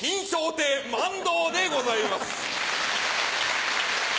亭満堂でございます。